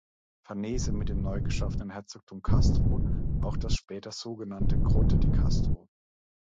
Farnese mit dem neugeschaffenen Herzogtum Castro auch das später so genannte Grotte di Castro.